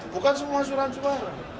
bukan semua surat suara